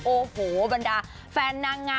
โอ้โหบรรดาแฟนนางงาม